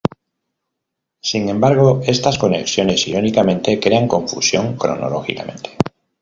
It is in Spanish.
Sin embargo, estas conexiones irónicamente crean confusión cronológicamente.